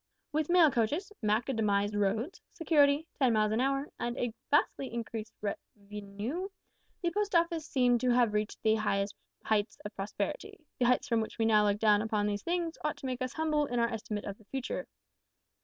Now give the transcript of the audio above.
"With mail coaches, macadamised roads, security, ten miles an hour, and a vastly increased revenue, the Post Office seemed to have reached the highest heights of prosperity. The heights from which we now look down upon these things ought to make us humble in our estimate of the future!